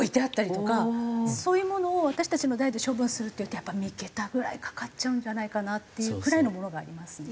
そういうものを私たちの代で処分するっていうとやっぱり３桁ぐらいかかっちゃうんじゃないかなっていうくらいのものがありますね。